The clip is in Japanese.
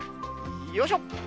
よいしょ。